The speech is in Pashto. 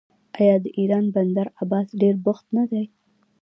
آیا د ایران بندر عباس ډیر بوخت نه دی؟